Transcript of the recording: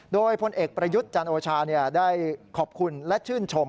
โดยพลเอกประยุทธ์จันโอชาได้ขอบคุณและชื่นชม